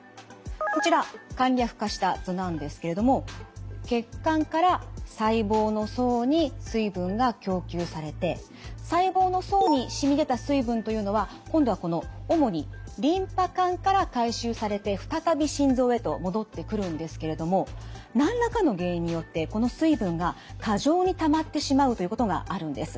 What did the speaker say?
こちら簡略化した図なんですけれども血管から細胞の層に水分が供給されて細胞の層にしみ出た水分というのは今度はこの主にリンパ管から回収されて再び心臓へと戻ってくるんですけれども何らかの原因によってこの水分が過剰にたまってしまうということがあるんです。